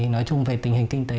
nói chung về tình hình kinh tế